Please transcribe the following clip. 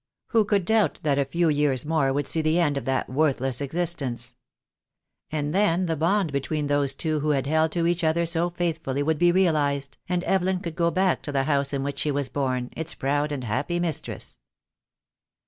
Who could doubt that a few years more would see the end of that worthless existence? And then the bond between those two who had held to each other so faithfully would be realized, and Evelyn could go back to the house in which she was born, its proud and happy mistress.